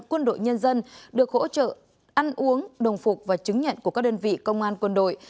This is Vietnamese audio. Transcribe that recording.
quân đội nhân dân được hỗ trợ ăn uống đồng phục và chứng nhận của các đơn vị công an quân đội